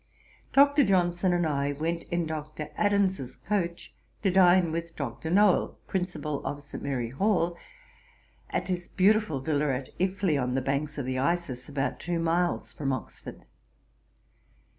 Dr. Johnson and I went in Dr. Adams's coach to dine with Dr. Nowell, Principal of St. Mary Hall, at his beautiful villa at Iffley, on the banks of the Isis, about two miles from Oxford.